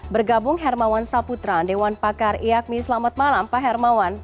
bergabung hermawan saputra dewan pakar iakmi selamat malam pak hermawan